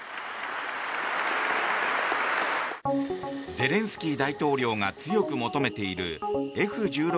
ゼレンスキー大統領が強く求めているＦ１６